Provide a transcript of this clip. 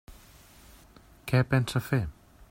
Què pensa fer?